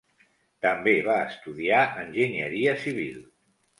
També va estudiar enginyeria civil.